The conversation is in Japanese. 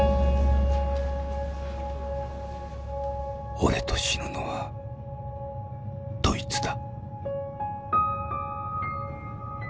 「俺と死ぬのはどいつだ」。